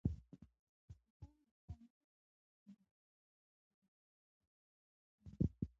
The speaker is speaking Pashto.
سیاسي زغم د قومونو ترمنځ د باور او همغږۍ د ساتلو وسیله ده